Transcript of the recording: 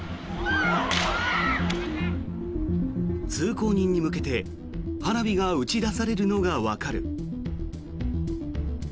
通行人に向けて花火が打ち出されるのがわかる。